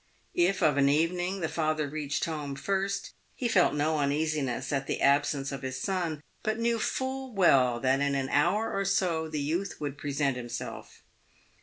If of an evening the father reached home first, he felt no uneasiness at the absence of his son, but knew full well that in an hour or so the youth would present himself.